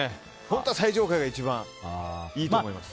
本当は最上階が一番いいと思います。